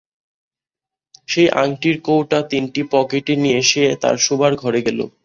সেই আংটির কৌটা তিনটি পকেটে নিয়ে সে তার শোবার ঘরে গেল।